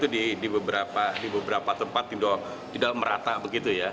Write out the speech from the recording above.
di beberapa tempat tidak merata begitu ya